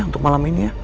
untuk malam ini ya